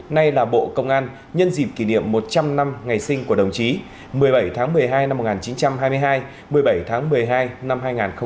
nay là bộ công an nhân dịp kỷ niệm một trăm linh năm ngày sinh của đồng chí một mươi bảy tháng một mươi hai năm một nghìn chín trăm hai mươi hai một mươi bảy tháng một mươi hai năm hai nghìn hai mươi ba